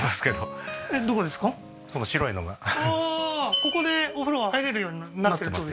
ここでお風呂は入れるようになってますよ